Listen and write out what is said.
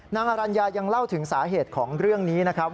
นางอรัญญายังเล่าถึงสาเหตุของเรื่องนี้นะครับ